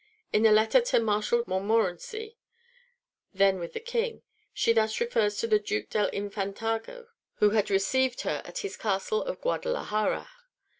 In a letter to Marshal de Montmorency, then with the King, she thus refers to the Duke del Infantado, who had received her at his castle of Guadalaxara.